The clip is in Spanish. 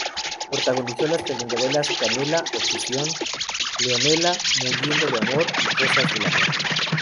Protagonizó las telenovelas "Canela", "Obsesión", "Leonela, muriendo de amor" y "Cosas del amor".